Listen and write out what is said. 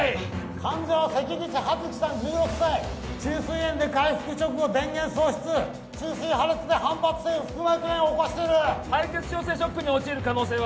患者は関口葉月さん１６歳虫垂炎で開腹直後電源喪失虫垂破裂で汎発性腹膜炎を起こしている敗血症性ショックに陥る可能性は？